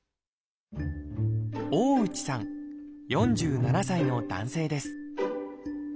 大内さん４７歳の男性です。